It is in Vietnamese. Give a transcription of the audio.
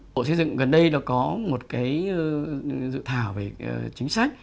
bộ xây dựng gần đây nó có một cái dự thảo về chính sách